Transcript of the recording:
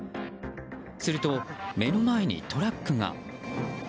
すると、目の前にトラックが。